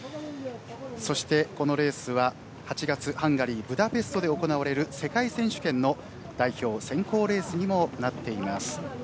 そして、このレースは８月ハンガリー・ブダペストで行われる世界選手権の代表選考レースにもなっています。